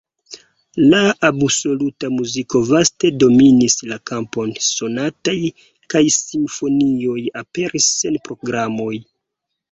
La absoluta muziko vaste dominis la kampon, sonatoj kaj simfonioj aperis sen programoj.